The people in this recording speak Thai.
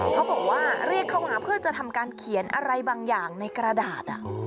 เขาบอกว่าเรียกเข้ามาเพื่อจะทำการเขียนอะไรบางอย่างในกระดาษ